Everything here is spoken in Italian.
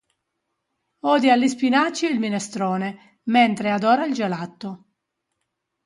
Odia gli spinaci e il minestrone, mentre adora il gelato.